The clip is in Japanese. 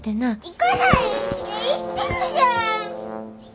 行かないって言ってるじゃん！